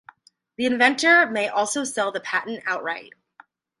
The inventor may also sell the patent outright.